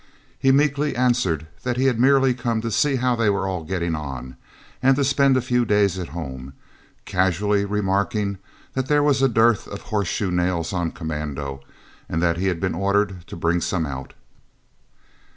He meekly answered that he had merely come to see how they were all getting on, and to spend a few days at home, casually remarking that there was a dearth of horse shoe nails on commando, and that he had been ordered to bring some out.